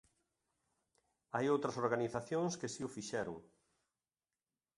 Hai outras organizacións que si o fixeron.